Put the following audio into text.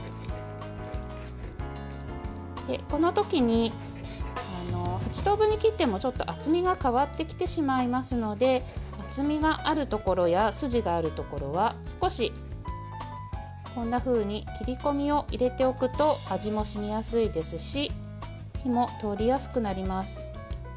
このときに、８等分に切ってもちょっと厚みが変わってきてしまいますので厚みがあるところや筋があるところは少し切り込みを入れておくと味も染みやすいですし火も通りやすくなります。